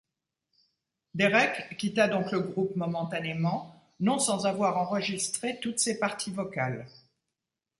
Derek quitta donc le groupe momentanémant non sana avoir enregistré toutes ses partie vocales.